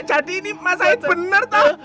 jadi ini mas zahid benar tahu